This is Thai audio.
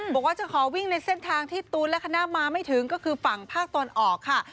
บอกว่าจะขอวิ่งในเส้นทางที่ตูนและคณะมาไม่ถึงก็คือฝั่งภาคตะวันออกค่ะ